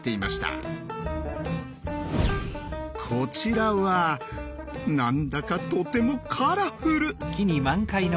こちらは何だかとてもカラフル！